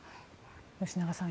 吉永さん